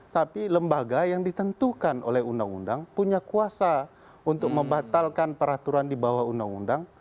tapi lembaga yang ditentukan oleh undang undang punya kuasa untuk membatalkan peraturan di bawah undang undang